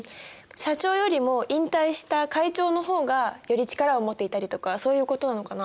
社長よりも引退した会長の方がより力を持っていたりとかそういうことなのかな？